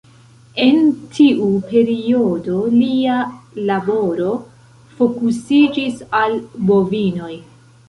En tiu periodo lia laboro fokusiĝis al bovinoj.